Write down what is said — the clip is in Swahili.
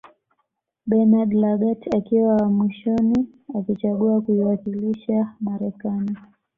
Bernard Lagat akiwa wa mwishoni akichagua kuiwakilisha Marekani